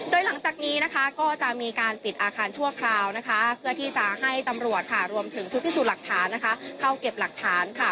โดยหลังจากนี้นะคะก็จะมีการปิดอาคารชั่วคราวนะคะเพื่อที่จะให้ตำรวจค่ะรวมถึงชุดพิสูจน์หลักฐานเข้าเก็บหลักฐานค่ะ